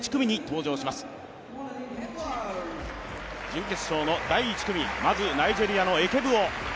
準決勝の第１組まずナイジェリアのエケブウォ。